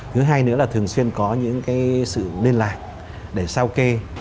thứ hai nữa là thường xuyên có những sự liên lạc để sao kê